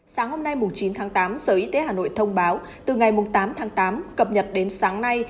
sáng hôm nay chín tháng tám sở y tế hà nội thông báo từ ngày tám tháng tám cập nhật đến sáng nay